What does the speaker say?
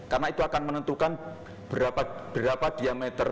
karena itu akan menentukan berapa diameter